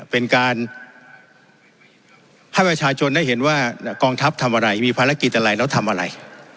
เป็นการให้ประชาชนได้เห็นว่ากองทัพทำอะไรมีภารกิจอะไรแล้วทำอะไร